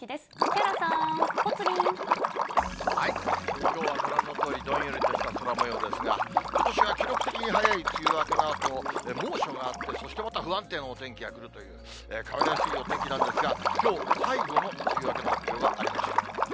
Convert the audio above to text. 木原さん、きょうはご覧のとおりどんよりとした空もようですが、ことしは記録的に早い梅雨明けのあと、猛暑があって、そしてまた不安定なお天気が来るという、変わりやすいお天気なんですが、きょう、最後の梅雨明けの発表がありました。